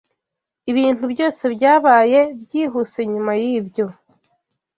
Ibintu byose byabaye byihuse nyuma yibyo.